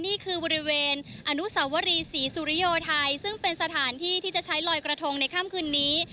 นี่คือบริเวณอนุสาวรีศรีสุริโยไทยซึ่งเป็นสถานที่ที่จะใช้ลอยกระทงในค่ำคืนนี้